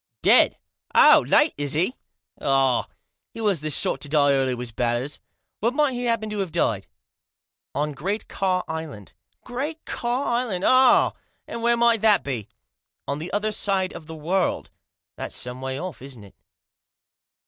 " Dead ? Oh ! Late, is he ? Ah ! He was the sort to die early, was Batters. Where might he happen to have died ?"" On Great Ka Island." " Great Ka Island ? Ah ! And where might that be?" " On the other side of the world." " That's some way off, isn't it